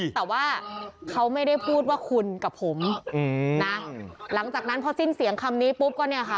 แต่ว่าเขาไม่ได้พูดว่าคุณกับผมนะหลังจากนั้นพอสิ้นเสียงคำนี้ปุ๊บก็เนี่ยค่ะ